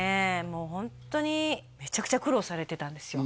もうホントにめちゃくちゃ苦労されてたんですよ